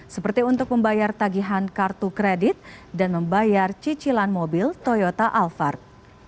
seperti untuk membayar tagihan kartu kredit dan membayar cicilan mobil toyota alphard